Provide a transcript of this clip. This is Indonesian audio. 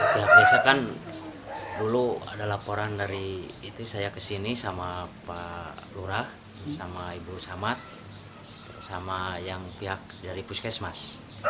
pihak desa kan dulu ada laporan dari itu saya kesini sama pak lurah sama ibu samad sama yang pihak dari puskesmas